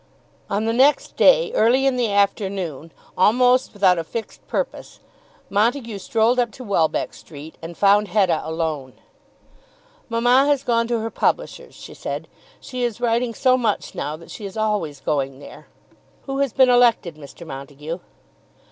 On the next day, early in the afternoon, almost without a fixed purpose, Montague strolled up to Welbeck Street, and found Hetta alone. "Mamma has gone to her publisher's," she said. "She is writing so much now that she is always going there. Who has been elected, Mr. Montague?"